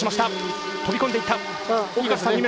飛び込んでいった。